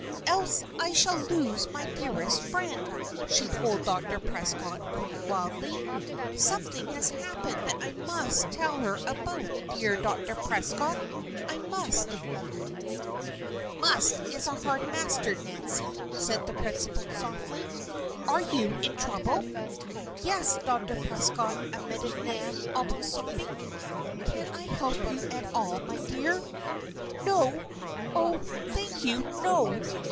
"Else I shall lose my dearest friend!" she told Dr. Prescott, quite wildly. "Something has happened that I must tell her about, dear Dr. Prescott! I must!" "'Must' is a hard master, Nancy," said the principal, softly. "Are you in trouble?" "Yes, Dr. Prescott," admitted Nan, almost sobbing. "Can I help you at all, my dear?" "No! Oh, thank you, no!